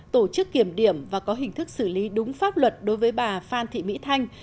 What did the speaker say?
tổ chức kiểm điểm và có hình thức xử lý đúng pháp luật đối với bà phan thị mỹ thanh